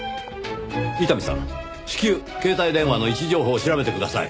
伊丹さん至急携帯電話の位置情報を調べてください。